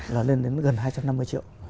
là lên đến gần hai trăm năm mươi triệu